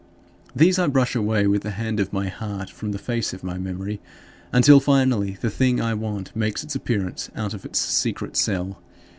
These I brush away with the hand of my heart from the face of my memory, until finally the thing I want makes its appearance out of its secret cell.